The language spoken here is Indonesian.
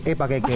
eh pakai keju